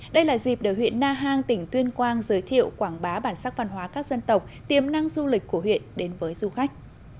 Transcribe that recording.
đây là dịp để huyện na hàng tỉnh tuyên quang giới thiệu quảng bá bản sắc văn hóa các dân tộc tiềm năng du lịch của huyện đến với du khách